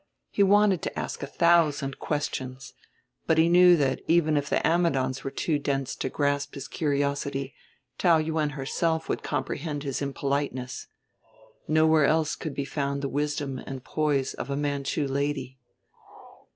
He wanted to ask a thousand questions, but he knew that even if the Ammidons were too dense to grasp his curiosity, Taou Yuen herself would comprehend his impoliteness. Nowhere else could be found the wisdom and poise of a Manchu lady.